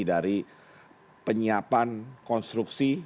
dari penyiapan konstruksi